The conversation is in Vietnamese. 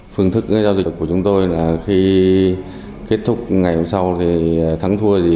phương thức giao dịch của chúng tôi là khi kết thúc ngày hôm sau thắng thua gì